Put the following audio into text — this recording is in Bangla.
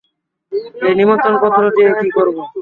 এই নিমন্ত্রণপত্র দিয়ে কী করব?